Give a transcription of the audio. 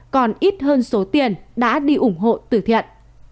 còn ít hơn số tiền đã đi ủng hộ tử thiện